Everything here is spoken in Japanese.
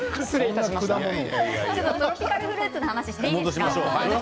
トロピカルフルーツの話をしてもいいですか。